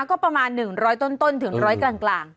ก็ประมาณ๑๐๐ต้นถึงร้อยกลาง